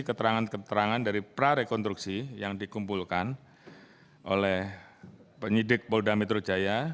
keterangan keterangan dari prarekonstruksi yang dikumpulkan oleh penyidik polda metro jaya